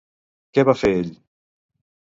Què va fer ell?